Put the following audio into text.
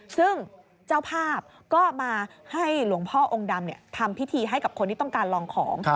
ซึ่งเจ้าภาพก็มาให้หลวงพ่อองค์ดำทำพิธีให้กับคนที่ต้องการลองของ